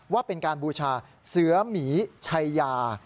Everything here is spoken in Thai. ว่าเป็นการบูชาเสือหมีชัยยา